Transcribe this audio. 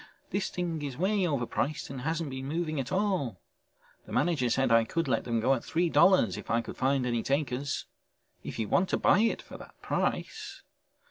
This thing is way overpriced and hasn't been moving at all. The manager said I could let them go at three dollars if I could find any takers. If you want to buy it for that price...."